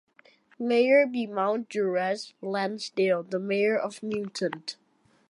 Mayor Beaumont Juarez Lansdale - The mayor of Mutant.